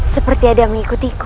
seperti ada yang mengikutiku